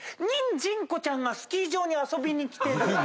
ニンジンコちゃんがスキー場に遊びに来てる。